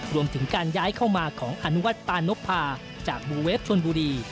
รวมถึงการย้ายเข้ามาของอนุวัฒนปานพพาจากบูเวฟชนบุรี